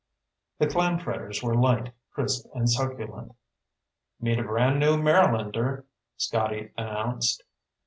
The clam fritters were light, crisp, and succulent. "Meet a brand new Marylander," Scotty announced.